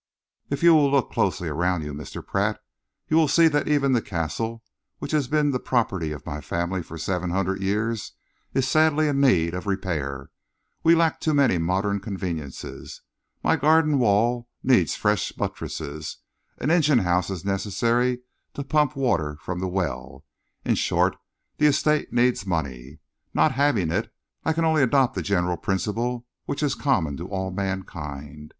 If you will look closely around you, Mr. Pratt, you will see that even the Castle, which has been the property of my family for seven hundred years, is sadly in need of repair. We lack too many modern conveniences. My garden wall needs fresh buttresses, an engine house is necessary to pump water from the well in short, the estate needs money. Not having it, I can only adopt the general principle which is common to all mankind.